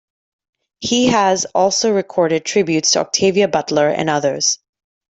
He has also recorded tributes to Octavia Butler and others.